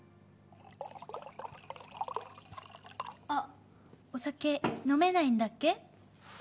あっお酒飲めないんだっけ？